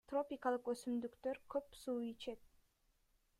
Тропикалык өсүмдүктөр көп суу ичет.